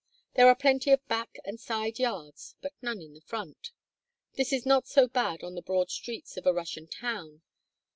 There are plenty of back and side yards, but none in front. This is not so bad on the broad streets of a Russian town.